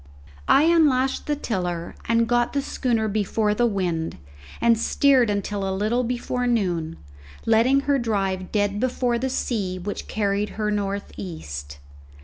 I unlashed the tiller and got the schooner before the wind and steered until a little before noon, letting her drive dead before the sea, which carried her north east.